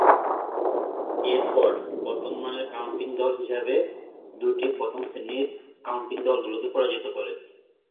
এরপর, প্রথম minor county দল হিসেবে দুইটি প্রথম-শ্রেণীর কাউন্টি দলগুলোকে পরাজিত করে।